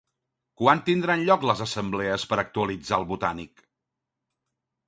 Quan tindran lloc les assemblees per actualitzar el Botànic?